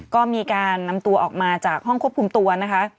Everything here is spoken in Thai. ก็มีการนำตัวออกมาจากห้องควบคุมตัวนะคะ